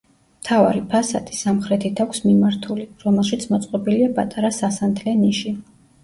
მთავარი ფასადი სამხრეთით აქვს მიმართული, რომელშიც მოწყობილია პატარა სასანთლე ნიში.